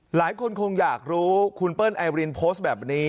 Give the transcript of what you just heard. หลายคนคงอยากรู้คุณเปิ้ลไอรินโพสต์แบบนี้